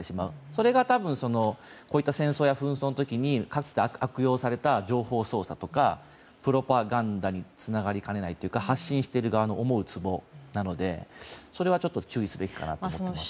それは、こういった戦争や紛争の時にかつて悪用された情報操作とかプロパガンダにつながりかねないとか発信する側の思うつぼなので、それはちょっと注意すべきだと思います。